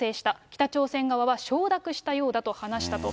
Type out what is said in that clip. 北朝鮮側は承諾したようだと話したと。